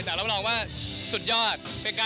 แต่รับรองว่าสุดยอด